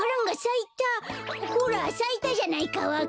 ほらさいたじゃないか